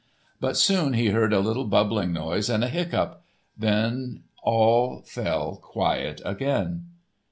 But soon he heard a little bubbling noise and a hiccough. Then all fell quiet again.